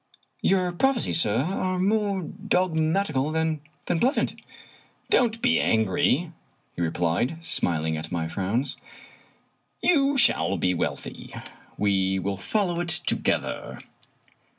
" Your prophecies, sir, are more dogmatical than pleas ant." "Don't be angry," he replied, smiling at my frowns. " You shall be wealthy. We will follow it together!